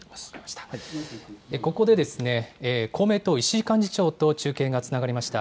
ここで、公明党、石井幹事長と中継がつながりました。